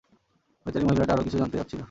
বেচারি মহিলাটা আরো কিছু জানতে চাচ্ছিল।